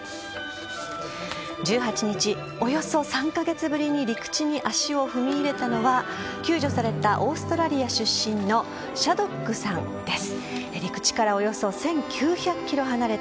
１８日、およそ３カ月ぶりに陸地に足を踏み入れたのは救助されたオーストラリア出身のシャドックさんです。